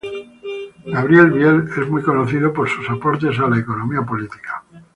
Gabriel Biel es muy conocido por sus aportes a la economía política.